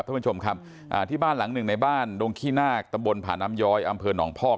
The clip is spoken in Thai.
ทุกผู้ชมครับอ่าที่บ้านหลังหนึ่งในบ้านดงขี้นาก